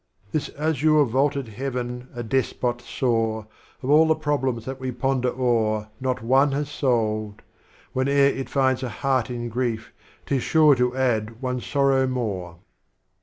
This azure vaulted Heaven, a Despot sore. Of all the Problems that we ponder o'er, Not One has solved; vphene'er it finds a Heart In Grief 'tis sure to atld one Sorrow more.